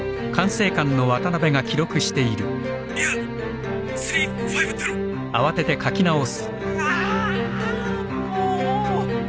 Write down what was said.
いやっ３５０！あーっもう！